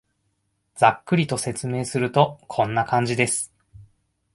ざっくりと説明すると、こんな感じです